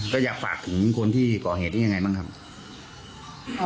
ก็อยากฝากถึงคนที่ก่อเหตุได้ยังไงบ้างครับ